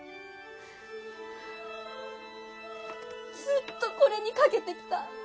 ずっとこれにかけてきた。